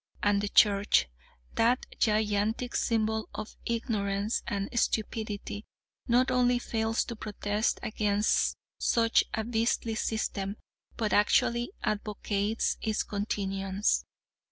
And the Church, that gigantic symbol of ignorance and stupidity, not only fails to protest against such a beastly system, but actually advocates its continuance.